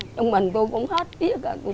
chúng mình tôi cũng hết tiếc rồi